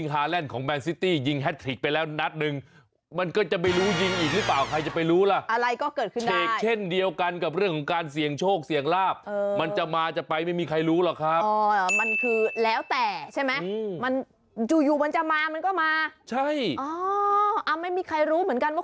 โหดูกล้วยเขาใหญ่แท้แล้ว